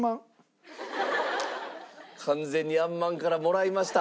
完全にあんまんからもらいました。